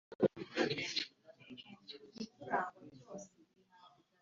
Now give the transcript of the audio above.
cy urukiko icya komite y abunzi cyangwa